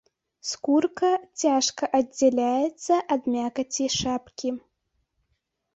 Скурка цяжка аддзяляецца ад мякаці шапкі.